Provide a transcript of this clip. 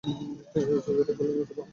তিনি রয়্যাল সোসাইটির ফেলো নির্বাচিত হন ।